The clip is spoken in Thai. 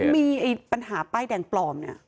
มีปัญหาป้ายแดงปลอมเนี่ย